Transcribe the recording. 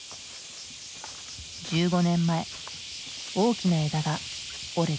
１５年前大きな枝が折れた。